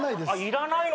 いらないの？